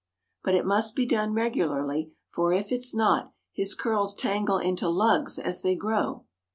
But it must be done regularly, for if it's not, his curls tangle into lugs as they grow.